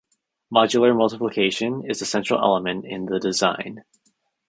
Modular multiplication is the central element in the design.